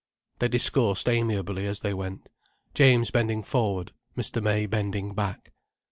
They discoursed amiably as they went, James bending forward, Mr. May bending back.